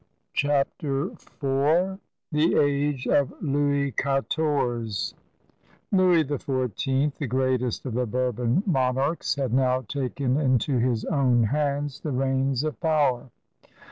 CHAPTER IV THB AGE OF LOUIS QUATORZE Louis XIV» the greatest of the Bourbon monarehs, had now taken into his own hands the reins of power.